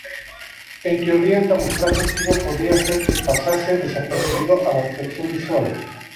En teoría, el camuflaje activo podría hacer que pasase desapercibido a la detección visual.